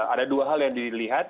ada dua hal yang dilihat